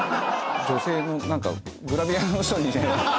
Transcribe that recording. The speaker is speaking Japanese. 女性のなんかグラビアの人に。